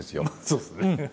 まあそうですね。